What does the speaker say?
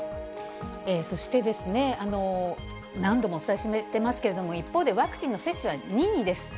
そして、何度もお伝えしてますけれども、一方で、ワクチンの接種は任意です。